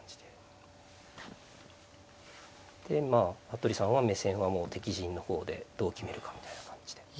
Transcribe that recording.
服部さんは目線は敵陣の方でどう決めるかみたいな感じで。